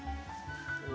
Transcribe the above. お！